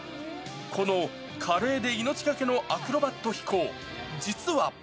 この華麗で命懸けのアクロバット飛行、実は。